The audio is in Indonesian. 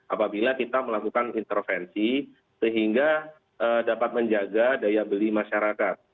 apabila kita melakukan intervensi sehingga dapat menjaga daya beli masyarakat